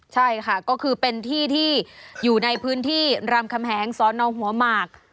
ใช่ค่ะก็คือเป็นที่ที่อยู่ในพื้นที่รามคำแหงสอนองหัวหมาก